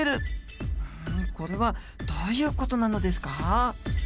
うんこれはどういう事なのですか？